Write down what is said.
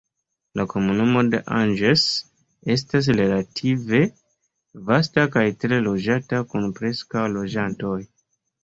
La komunumo de Angers estas relative vasta kaj tre loĝata kun preskaŭ loĝantoj.